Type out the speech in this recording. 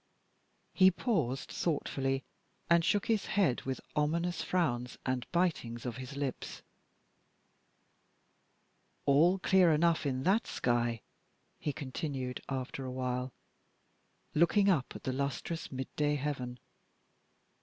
He paused thoughtfully, and shook his head with ominous frowns and bitings of his lips. "All clear enough in that sky," he continued, after a while, looking up at the lustrous midday heaven.